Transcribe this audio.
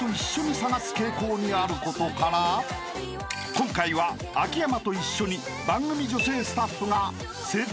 ［今回は秋山と一緒に番組］